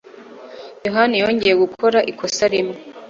Yohani yongeye gukora ikosa rimwe.